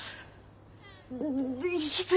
いつ？